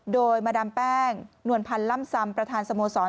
โดยมาดามแป้งนวลพันธ์ล่ำซำประธานสโมสร